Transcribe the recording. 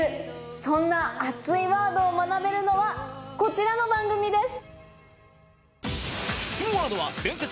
そんな熱いワードを学べるのはこちらの番組です。